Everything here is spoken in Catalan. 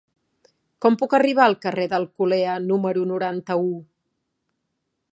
Com puc arribar al carrer d'Alcolea número noranta-u?